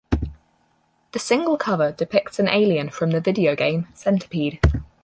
The single cover depicts an alien from the video game "Centipede".